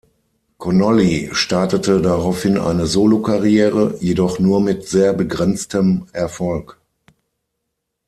Connolly startete daraufhin eine Solo-Karriere, jedoch nur mit sehr begrenztem Erfolg.